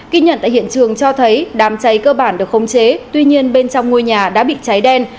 kinh nhận tại hiện trường cho thấy đám cháy cơ bản được khống chế tuy nhiên bên trong ngôi nhà đã bị cháy đen